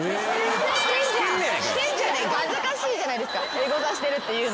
恥ずかしいじゃないですかエゴサしてるって言うのって。